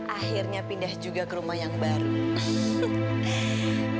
akhirnya pindah juga ke rumah yang baru